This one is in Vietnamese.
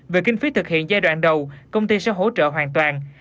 về kinh phí thực hiện giai đoạn đầu công ty sẽ hỗ trợ hoàn toàn